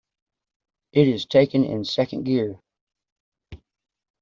It is taken in second gear.